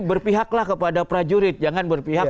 berpihaklah kepada prajurit jangan berpihak